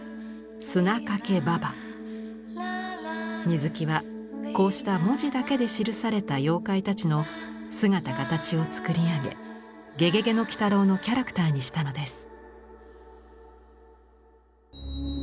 水木はこうした文字だけで記された妖怪たちの姿・形をつくり上げ「ゲゲゲの鬼太郎」のキャラクターにしたのです。